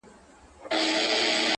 زه خوارکی يم، لکه ټپه انتظار_